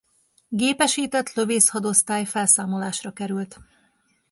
Gépesített Lövészhadosztály felszámolásra került.